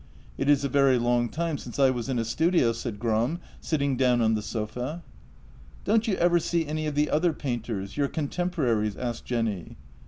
" It is a very long time since I was in a studio," said Gram, sitting down on the sofa. " Don't you ever see any of the other painters — your con temporaries? " asked Jenny.